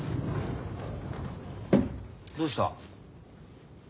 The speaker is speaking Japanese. どうした？